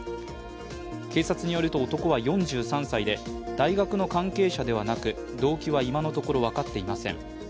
警察によると男は４３歳で、大学の関係者ではなく動機は今のところ分かっていません。